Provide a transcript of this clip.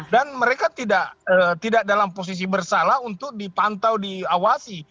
dan mereka tidak dalam posisi bersalah untuk dipantau diawasi